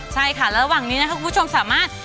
ใช่ค่ะระหว่างนี้นะครับคุณผู้ชมสามารถ